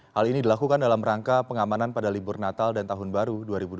hal ini dilakukan dalam rangka pengamanan pada libur natal dan tahun baru dua ribu dua puluh